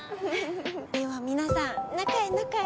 では皆さん中へ中へ。